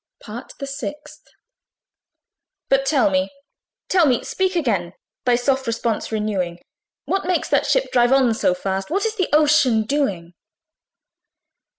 PART THE SIXTH. FIRST VOICE. But tell me, tell me! speak again, Thy soft response renewing What makes that ship drive on so fast? What is the OCEAN doing?